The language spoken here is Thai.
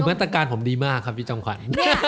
มาตรการผมดีมากครับพี่จำขวัญ